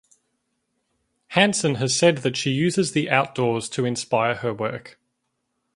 Hanson has said that she uses the outdoors to inspire her work.